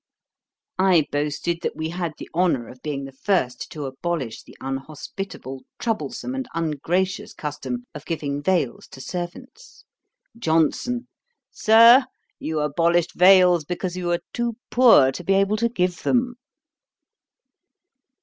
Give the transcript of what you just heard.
I boasted that we had the honour of being the first to abolish the unhospitable, troublesome, and ungracious custom of giving vails to servants. JOHNSON. 'Sir, you abolished vails, because you were too poor to be able to give them.'